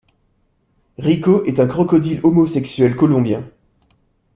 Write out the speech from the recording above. Rico est un crocodile homosexuel colombien.